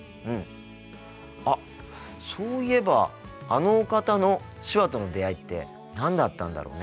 あっそういえばあのお方の手話との出会いって何だったんだろうね。